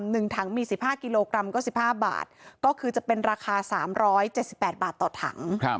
หนึ่งถัง๑๕กิโลกรัมก็๑๕บาทก็คือจะเป็นราคา๓๗๘บาทต่อถัง